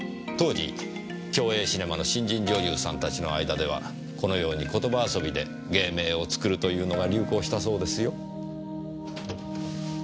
当時共映シネマの新人女優さんたちの間ではこのように言葉遊びで芸名を作るというのが流行したそうですよ。